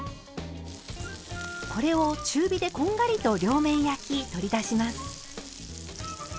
これを中火でこんがりと両面焼き取り出します。